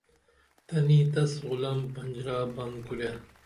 تنی تس غُلم پنجرہ بن کُرے